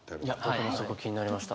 僕もそこ気になりました。